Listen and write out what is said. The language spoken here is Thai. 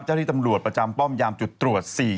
เจ้าที่ตำรวจประจำป้อมยามจุดตรวจสี่แยก